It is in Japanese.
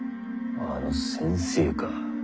あの先生か。